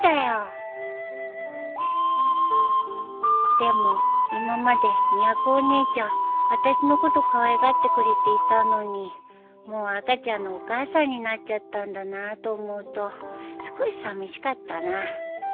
でも今までみやこお姉ちゃんあたしのことかわいがってくれていたのにもう赤ちゃんのお母さんになっちゃったんだなと思うと少しさみしかったな。